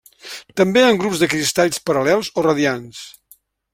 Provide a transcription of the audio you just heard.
També en grups de cristalls paral·lels o radiants.